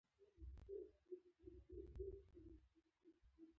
د رباني حکومت له مال او عيال يې خلاص کړو.